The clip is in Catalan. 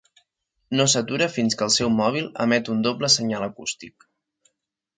No s'atura fins que el seu mòbil emet un doble senyal acústic.